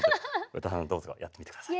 詩羽さんどうぞやってみてください。